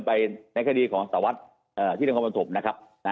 ไปในคัดีของสาวัสธิ์ที่ลุงคอมพันธบนะครับ